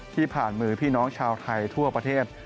ผ่านมือพี่น้องชาวไทยทั่วประเทศ